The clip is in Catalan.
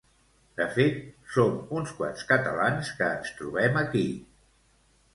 De fet, som uns quants catalans que ens trobem aquí!